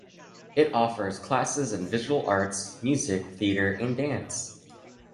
It offers classes in visual arts, music, theater and dance.